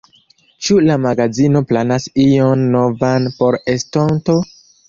Ĉu la magazino planas ion novan por estonto?